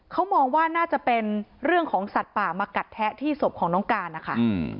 เขามองว่าน่าจะเป็นเรื่องของสัตว์ป่ามากัดแทะที่ศพของน้องการนะคะ